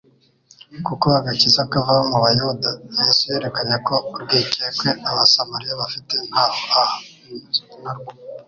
kuko agakiza kava mu bayuda."Yesu yerekanye ko urwikekwe Abasamariya bafite ntaho ahunye narwo.